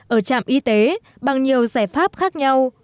ở trạm y tế bằng nhiều giải pháp khác nhau